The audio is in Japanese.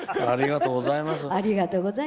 ありがとうございます。